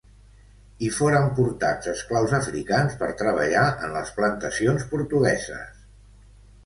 Hi foren portats esclaus africans per treballar en les plantacions portugueses.